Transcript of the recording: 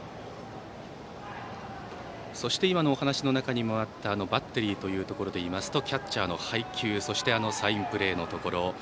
そして今のお話の中にもあったバッテリーというところでいうとキャッチャーの配球そして、サインプレーのところ。